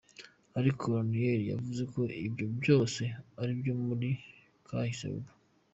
Ariko Ranieri yavuze ko ivyo vyose ari ivyo muri “kahise” ubu.